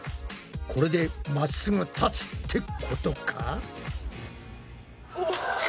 これでまっすぐ立つってことか？